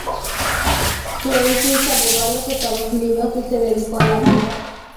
Clancy se mudó a los Estados Unidos y se dedicó a la banda.